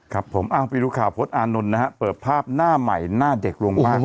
ครับผมอ้าวพี่ลูกข่าวโพธอานนท์นะฮะเปิดภาพหน้าใหม่หน้าเด็กลงมาก